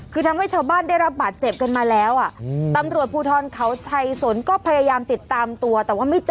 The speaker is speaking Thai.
คือทำให้ชาวบ้านได้รับบาดเจ็บกันมาแล้วอ่ะอืมตำรวจภูทรเขาชัยสนก็พยายามติดตามตัวแต่ว่าไม่เจอ